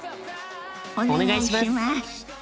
お願いします。